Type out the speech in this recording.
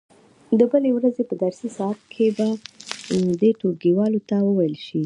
د بلې ورځې په درسي ساعت کې دې ټولګیوالو ته وویل شي.